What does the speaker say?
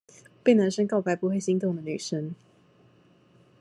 被男生告白不會心動的女生